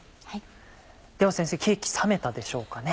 では先生ケーキ冷めたでしょうかね。